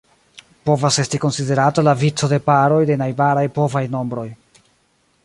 Povas esti konsiderata la vico de paroj de najbaraj povaj nombroj.